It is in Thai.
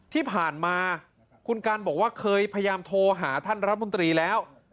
ที่ผ่านมาคุณกันบอกว่าเคยพยายามโทรหาท่านรัฐมนตรีแล้ว